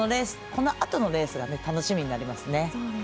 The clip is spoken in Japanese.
このあとのレースが楽しみになります。